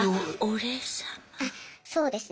そうですね。